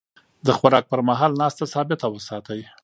د خوراک پر مهال ناسته ثابته وساتئ.